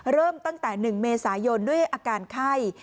เริ่มตั้งแต่๑เมษายนด้วยอาการไข้